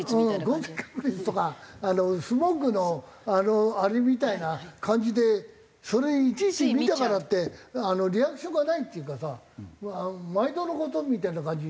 降水確率とかスモッグのあれみたいな感じでそれいちいち見たからってリアクションがないっていうかさ毎度の事みたいな感じ。